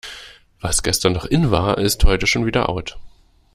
Was gestern noch in war, ist heute schon wieder out.